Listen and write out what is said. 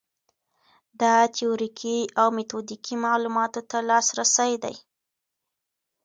دا تیوریکي او میتودیکي معلوماتو ته لاسرسی دی.